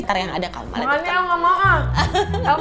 ntar yang ada kamu malah jodoh sama botol kecap